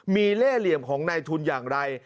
มีเล่เหลี่ยมของในทุนอย่างไร